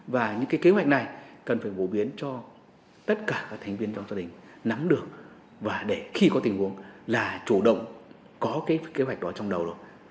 và những cái kế hoạch này cần phải phổ biến cho tất cả các thành viên trong gia đình nắm được và để khi có tình huống là chủ động có cái kế hoạch đó trong đầu rồi